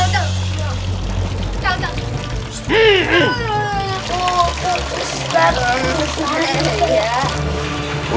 oh dia mau